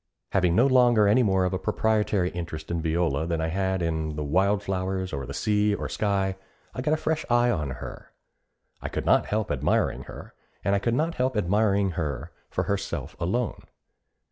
Having no longer any more of a proprietary interest in Viola than I had in the wild flowers, or the sea, or sky, I got a fresh eye on her. I could not help admiring her, and I could not help admiring her for herself alone.